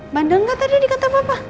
bandel gak tadi di kantor papa